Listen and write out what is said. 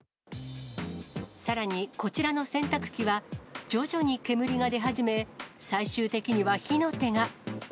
さらにこちらの洗濯機は、徐々に煙が出始め、最終的には火の手が。